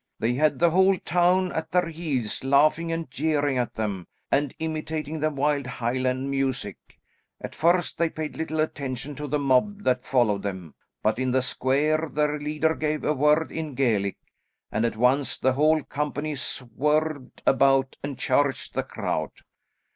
They had the whole town at their heels laughing and jeering at them and imitating the wild Highland music. At first, they paid little attention to the mob that followed them, but in the square their leader gave a word in Gaelic, and at once the whole company swerved about and charged the crowd.